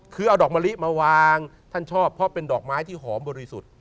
คือเอาดอกมะลิมาวางท่านชอบเพราะเป็นดอกไม้ที่หอมบริสุทธิ์